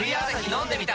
飲んでみた！